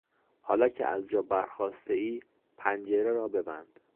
حالا که از جا برخاستهای، پنجره را ببند.